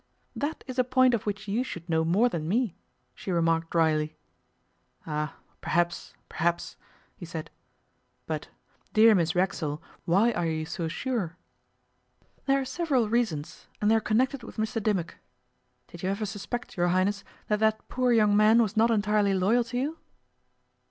'That is a point of which you should know more than me,' she remarked drily. 'Ah! Perhaps, perhaps,' he said. 'But, dear Miss Racksole, why are you so sure?' 'There are several reasons, and they are connected with Mr Dimmock. Did you ever suspect, your Highness, that that poor young man was not entirely loyal to you?